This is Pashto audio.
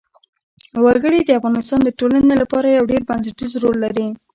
وګړي د افغانستان د ټولنې لپاره یو ډېر بنسټيز رول لري.